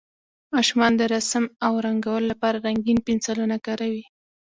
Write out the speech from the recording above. ماشومان د رسم او رنګولو لپاره رنګین پنسلونه کاروي.